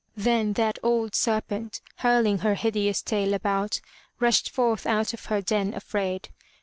Then that old serpent, hurling her hideous tail about, rushed forth out of her den afraid.